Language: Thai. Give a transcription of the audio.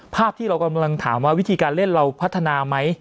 ภาพที่เรากำลังถามว่าวิธีการเล่นเราพัฒนาไหม